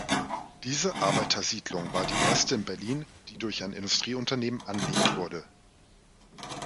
Diese Arbeitersiedlung war die erste in Berlin, die durch ein Industrieunternehmen anlegt wurde.